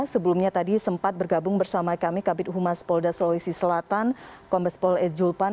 sebelumnya tadi sempat bergabung bersama kami kabinet umar spolda sulawesi selatan kompes pol ejulpan